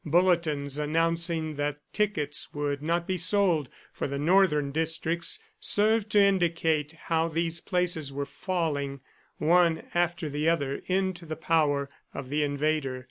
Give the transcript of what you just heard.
Bulletins announcing that tickets would not be sold for the Northern districts served to indicate how these places were falling, one after the other, into the power of the invader.